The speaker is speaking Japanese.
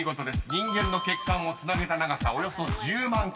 人間の血管をつなげた長さおよそ１０万ｋｍ］